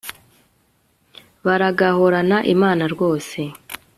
baragahorana imana rwose